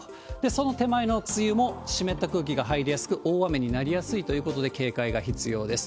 その手前の梅雨も、湿った空気が入りやすく、大雨になりやすいということで警戒が必要です。